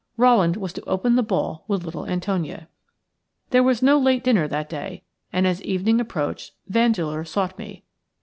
Rowland was to open the ball with little Antonia. There was no late dinner that day, and as evening approached Vandeleur sought me.